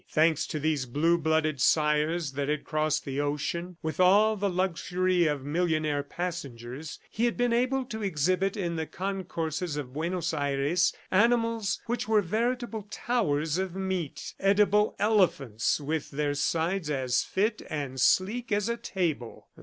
Thanks to these blue blooded sires that had crossed the ocean with all the luxury of millionaire passengers, he had been able to exhibit in the concourses of Buenos Aires animals which were veritable towers of meat, edible elephants with their sides as fit and sleek as a table.